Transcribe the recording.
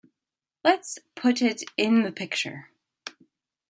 Let's put it in the picture.